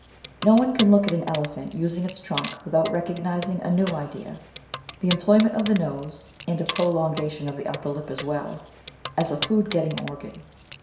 No one can look at an elephant using its trunk without recognising a new idea — ^the employment of the nose (and a prolongation of the upper lip as well) as a food getting organ.